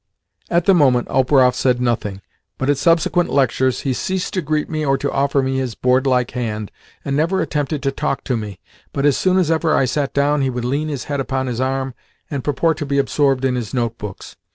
At the moment Operoff said nothing, but at subsequent lectures he ceased to greet me or to offer me his board like hand, and never attempted to talk to me, but, as soon as ever I sat down, he would lean his head upon his arm, and purport to be absorbed in his notebooks.